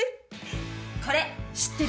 これ知ってる？